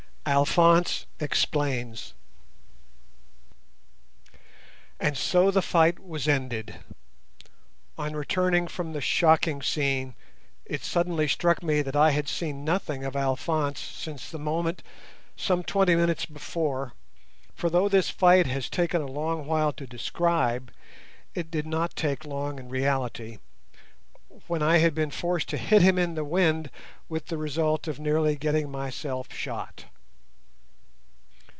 ALPHONSE EXPLAINS And so the fight was ended. On returning from the shocking scene it suddenly struck me that I had seen nothing of Alphonse since the moment, some twenty minutes before—for though this fight has taken a long while to describe, it did not take long in reality—when I had been forced to hit him in the wind with the result of nearly getting myself shot.